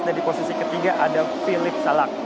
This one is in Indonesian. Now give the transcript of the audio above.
dan di posisi ketiga ada philip salah